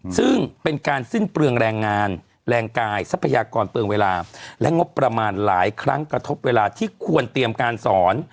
ซึ่งเป็นการสิ้นเปลืองแรงงานแรงกายทรัพยากรเปลืองเวลาและงบประมาณหลายครั้งกระทบเวลาที่ควรเตรียมการสอน